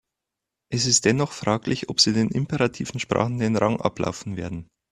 Es ist dennoch fraglich, ob sie den imperativen Sprachen den Rang ablaufen werden.